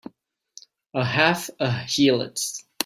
A half a heelot!